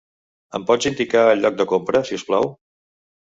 Em pots indicar el lloc de compra, si us plau?